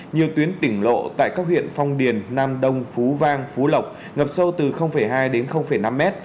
nhiều tuyến tỉnh lộ tại các huyện phong điền nam đông phú vang phú lộc ngập sâu từ hai đến năm mét